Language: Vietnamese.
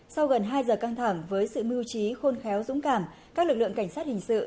sau gần hai giờ căng thẳng với sự mưu trí khôn khéo dũng cảm các lực lượng cảnh sát hình sự